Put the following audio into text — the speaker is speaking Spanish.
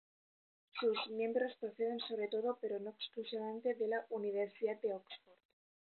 Sus miembros proceden sobre todo, pero no exclusivamente, de la Universidad de Oxford.